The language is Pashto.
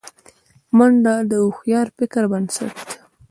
منډه د هوښیار فکر بنسټ دی